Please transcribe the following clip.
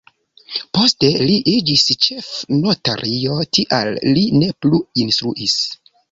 Poste li iĝis ĉefnotario, tial li ne plu instruis.